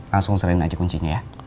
langsung sering aja kuncinya ya